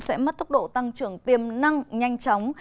sẽ mất tốc độ tăng trưởng tiềm năng nhanh chóng